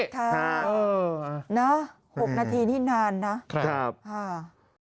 ครับเออน่ะหกนาทีนี่นานนะครับอ่า